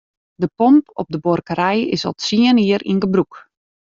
De pomp op de buorkerij is al tsien jier yn gebrûk.